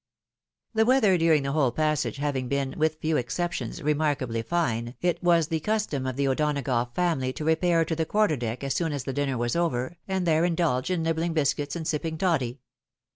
The weather during the whole passage having been, vpith few exceptions, remarkably fine, it was the custom of the O'Donagough family to repair to the quarter deck as soon as the dinner was over and there indulge in nibbling biscuits and sipping toddy.